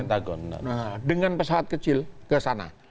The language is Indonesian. nah dengan pesawat kecil ke sana